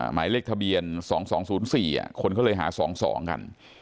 หมายเลขทะเบียน๒๒๐๔คนเขาเลยหา๒๒กัน